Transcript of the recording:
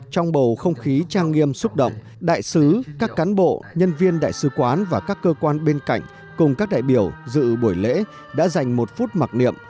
trong bầu không khí trang nghiêm xúc động đại sứ các cán bộ nhân viên đại sứ quán và các cơ quan bên cạnh cùng các đại biểu dự buổi lễ đã dành một phút mặc niệm